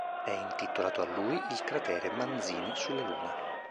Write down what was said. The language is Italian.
È intitolato a lui il cratere Manzini sulla Luna.